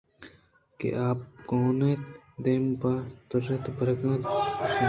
کہ آ آپءَ گون اِنت ءُ دیم پہ ژیمب ءَ برگ ءَ اِنت اِش